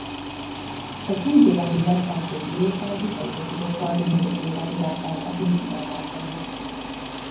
Az új-zélandi legfelsőbb bíróság visszautasította az ügynökök tiltakozását a film sugárzása miatt.